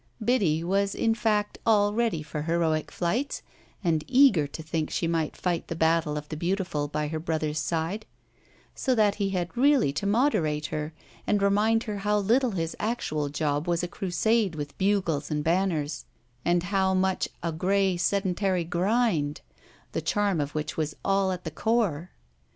Biddy was in fact all ready for heroic flights and eager to think she might fight the battle of the beautiful by her brother's side; so that he had really to moderate her and remind her how little his actual job was a crusade with bugles and banners and how much a grey, sedentary grind, the charm of which was all at the core.